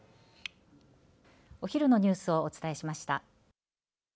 お昼のニュースをお伝えしました。